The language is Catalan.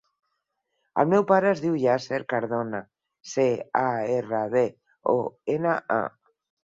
El meu pare es diu Yasser Cardona: ce, a, erra, de, o, ena, a.